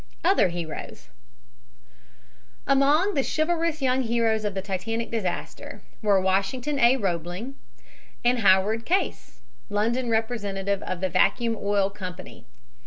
OTHER HEROES Among the chivalrous young heroes of the Titanic disaster were Washington A. Roebling, 2d, and Howard Case, London representative of the Vacuum Oil Company.